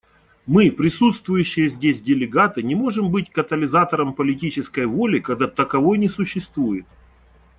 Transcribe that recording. Мы, присутствующие здесь делегаты, не можем быть катализатором политической воли, когда таковой не существует.